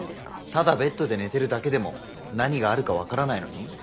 ただベッドで寝てるだけでも何があるか分からないのに？